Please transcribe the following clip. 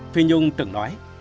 phi nhung từng nói